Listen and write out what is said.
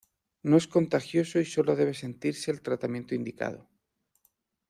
No es contagioso, y sólo debe seguirse el tratamiento indicado.